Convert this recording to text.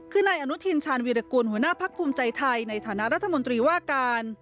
คือนายอนุทินชาญวีรกูลหัวหน้าพักภูมิใจไทยในฐานะรัฐมนตรีว่าการ